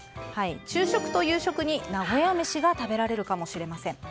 昼食と夕食に名古屋めしが食べられるかもしれません。